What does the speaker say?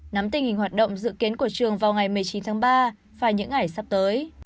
nắm tình hình hoạt động dự kiến của trường vào ngày một mươi chín tháng ba và những ngày sắp tới